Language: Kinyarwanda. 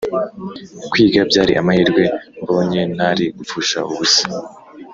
Kwiga byari amahirwe mbonye ntari gupfusha ubusa.